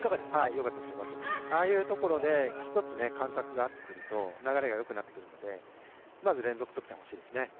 よかったです、ああいうところで１つ感覚が合ってくると流れがよくなってくるので、まず連続得点欲しいですね。